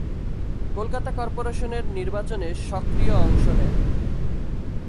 কলকাতা কর্পোরেশনের নির্বাচনে সক্রিয় অংশ নেন।